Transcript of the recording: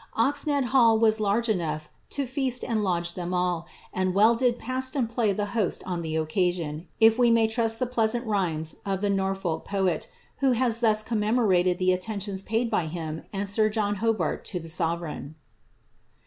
Oxnead hall was > enough to feast and lodge them all, and well did Paston play the on the occasion, if we may trust the pleasant rhymes of the Nor poet, who has thus commemorated the attentions paid by him and oho Hobart to the sovereign.